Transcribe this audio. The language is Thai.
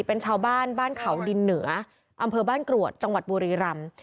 เป็นชาวบ้านบ้านเขาดินเหนืออำเภอบ้านกรวดจังหวัดบุรีรำ